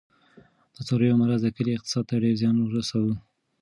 د څارویو مرض د کلي اقتصاد ته ډېر زیان ورساوه.